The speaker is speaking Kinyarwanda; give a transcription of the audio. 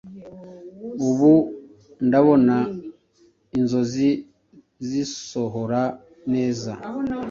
Ubu ndabona inzozi zisohora neza.